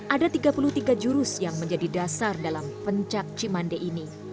ada tiga puluh tiga jurus yang menjadi dasar dalam pencak cimande ini